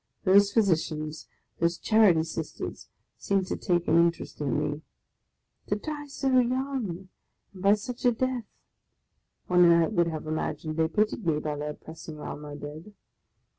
Those Physicians, those Charity Sisters seemed to take an interest in me. " To die so young ! and by such a death !" One would have imagined they pitied me by their pressing round my bed.